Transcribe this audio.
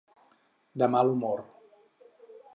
De mal humor.